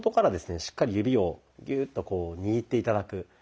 しっかり指をギューッとこう握って頂く。